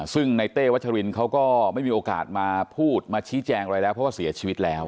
ซึ่งในเต้วัชรินเขาก็ไม่มีโอกาสมาพูดมาชี้แจงอะไรแล้วเพราะว่าเสียชีวิตแล้ว